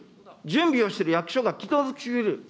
準備をしてる役所が気の毒すぎる。